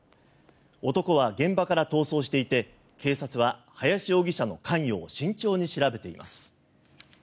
男は現場から逃走していて警察は林容疑者の関与を慎重に調べています。